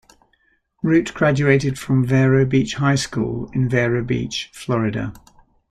Root graduated from Vero Beach High School in Vero Beach, Florida.